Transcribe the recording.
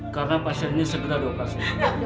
karena pasir ini segera dioperasi